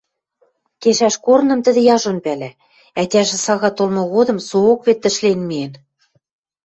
Кешӓш корным тӹдӹ яжон пӓлӓ: ӓтяжӹ сага толмы годым соок вет тӹшлен миэн.